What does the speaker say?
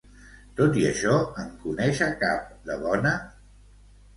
Tot i això, en coneix a cap de bona?